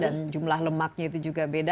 jumlah lemaknya itu juga beda